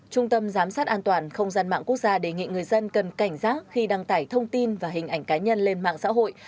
trung tâm giám sát an toàn không gian mạng quốc gia đề nghị người dân cần cảnh giác khi đăng tải thông tin và hình ảnh cá nhân lên mạng xã hội